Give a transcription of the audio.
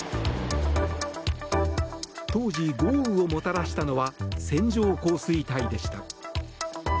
当時、豪雨をもたらしたのは線状降水帯でした。